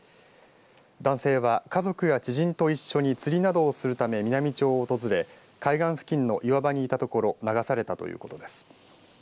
男性は家族や知人と一緒に釣りなどをするため美波町を訪れ海岸付近の岩場にいたところ流されたということです。